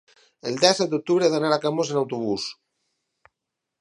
el disset d'octubre he d'anar a Camós amb autobús.